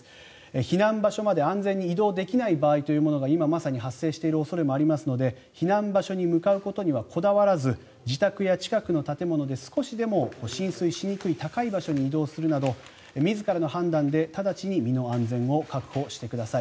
避難場所まで安全に移動できない場合というのが今まさに発生している恐れもありますので避難場所に向かうことにはこだわらず自宅や近くの建物で少しでも浸水しにくい高い場所に移動するなど自らの判断で直ちに身の安全を確保してください。